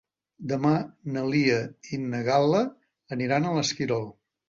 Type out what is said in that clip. Demà na Lia i na Gal·la aniran a l'Esquirol.